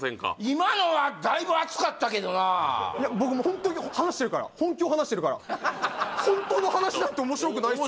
今のはだいぶ熱かったけどないや僕もうホントに話してるから本気を話してるからホントの話だって面白くないっすよ